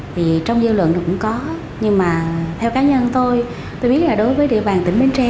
thì trong dư luận cũng có nhưng mà theo cá nhân tôi tôi biết là đối với địa bàn tỉnh bến tre